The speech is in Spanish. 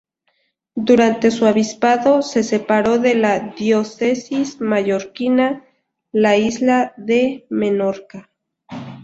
Durante su obispado se separó de la diócesis mallorquina la isla de Menorca.